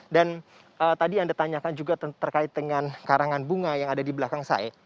dan tadi anda tanyakan juga terkait dengan karangan bunga yang ada di belakang saya